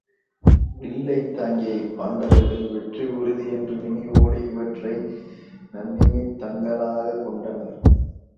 வில்லைத் தாங்கிய இப்பாண்டவர்கள் வெற்றி உறுதி என்ற நினைவோடு இவற்றை நன்னிமித் தங்களாகக் கொண்டனர்.